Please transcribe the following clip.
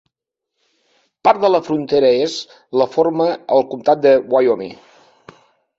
Part de la frontera est la forma el comtat de Wyoming.